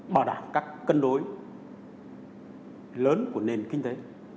bảo đảm các cân đối lớn của nền kinh tế